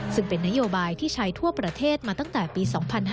ซึ่งเป็นนโยบายที่ใช้ทั่วประเทศมาตั้งแต่ปี๒๕๕๙